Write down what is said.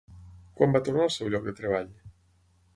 Quan va tornar al seu lloc de treball?